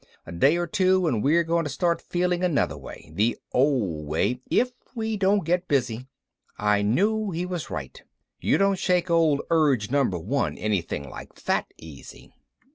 A day or two and we're going to start feeling another way, the old way, if we don't get busy." I knew he was right. You don't shake Old Urge Number One anything like that easy.